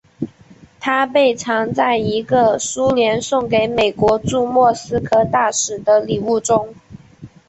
它被藏在一个苏联送给美国驻莫斯科大使的礼物中。